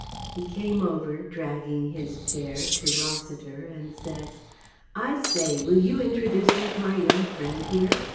He came over dragging his chair to Rossiter and said "I say! Will you introduce me to our young friend here?"